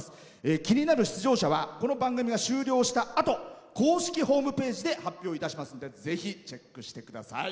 気になる出場者はこの番組が終了したあと公式ホームページで発表いたしますのでぜひ、チェックしてください。